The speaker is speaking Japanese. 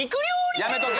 やめとけ！